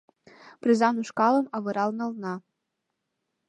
Презан ушкалым авырал нална.